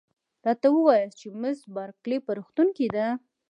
راته ووایاست چي مس بارکلي په روغتون کې ده؟